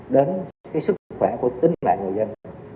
đến cái sức khỏe của tính mạng người dân